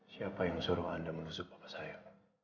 siapa yang suruh anda menusuk papa saya